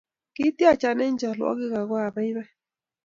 Kitiacha eng chalwogik ako abaibai